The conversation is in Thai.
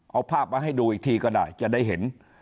เอาภาพมาให้ดูอีกทีก็ได้จะได้เห็น